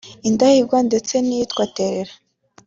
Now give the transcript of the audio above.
Indahigwa ndetse n’iyitwa Terera